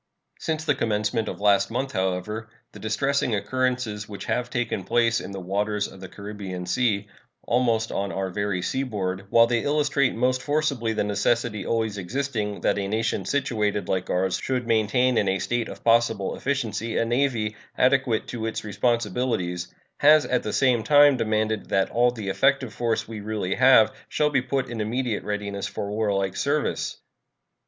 Since the commencement of the last month, however, the distressing occurrences which have taken place in the waters of the Caribbean Sea, almost on our very seaboard, while they illustrate most forcibly the necessity always existing that a nation situated like ours should maintain in a state of possible efficiency a navy adequate to its responsibilities, has at the same time demanded that all the effective force we really have shall be put in immediate readiness for warlike service.